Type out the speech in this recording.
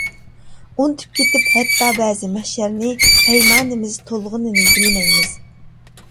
ئۇنتۇپ كېتىپ ھەتتا بەزى مەھشەرنى، پەيمانىمىز تولغىنىنى بىلمەيمىز.